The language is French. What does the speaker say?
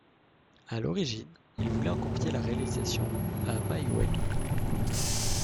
À l'origine, il voulait en confier la réalisation à Maïwenn.